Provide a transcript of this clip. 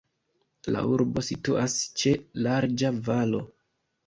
La urbo situas ĉe larĝa valo.